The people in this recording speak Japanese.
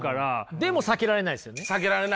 でも避けられないですよね。